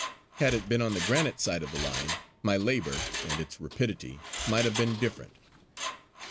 Had it been on the granite side of the line my labour and its rapidity might have been different.